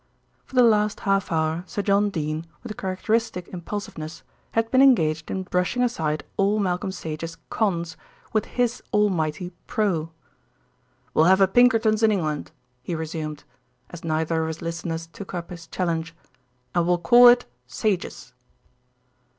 For the last half hour Sir John Dene, with characteristic impulsiveness, had been engaged in brushing aside all Malcolm Sage's "cons" with his almighty "Pro." "We'll have a Pinkerton's in England," he resumed, as neither of his listeners took up his challenge, "and we'll call it Sage's."